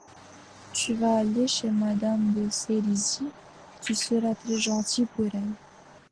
Tu vas aller chez madame de Sérizy, tu seras très gentil pour elle.